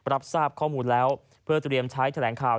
รับทราบข้อมูลแล้วเพื่อเตรียมใช้แถลงข่าว